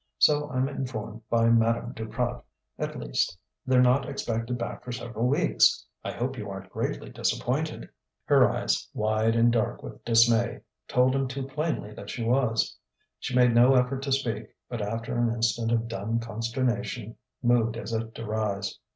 So I'm informed by Madame Duprat, at least. They're not expected back for several weeks.... I hope you aren't greatly disappointed." Her eyes, wide and dark with dismay, told him too plainly that she was. She made no effort to speak, but after an instant of dumb consternation, moved as if to rise.